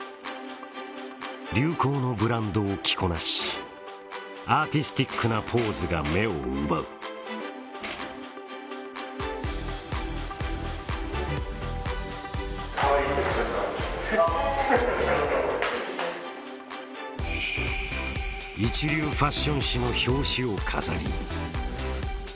流行のブランドを着こなしアーティスティックなポーズが目を奪うイエーイ一流ファッション誌の表紙を飾り